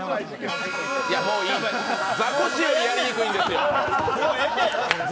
もういい、ザコシよりやりにくいんですよ。